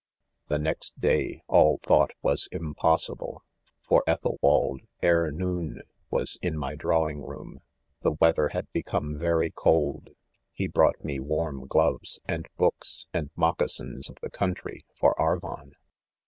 'The next day all thought was impossible, for Ethelwald, ere noon, was in my drawing room. The weather had become very cold ; he brought me warm gloves, andbooks ? and moc casin^ of the country, for Arvon.